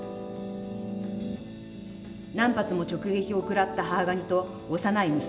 何発も直撃を食らった母ガニと幼い娘